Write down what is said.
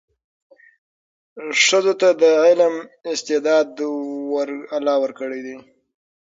ښځو ته د علم استعداد الله ورکړی دی.